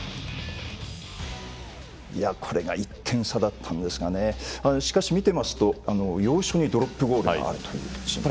これが１点差だったんですがしかし見てますと、要所にドロップゴールがあるという。